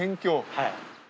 はい。